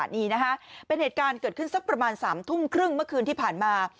นี่นะคะเป็นเหตุการณ์เกิดขึ้นสักประมาณ๓ทุ่มครึ่งเมื่อคืนที่ผ่านมา